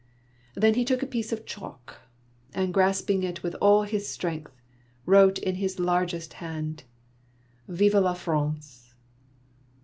Then he took a piece of chalk, and grasping it with all his strength, wrote in his largest hand, —" Vive La France